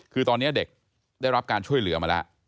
คือตอนนี้เด็กได้รับการช่วยเหลือมาแล้ว